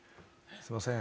すみません。